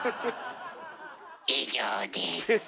以上です。